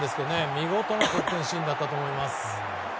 見事な得点シーンだったと思います。